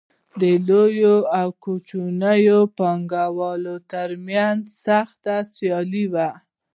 د لویو او کوچنیو پانګوالو ترمنځ سخته سیالي وه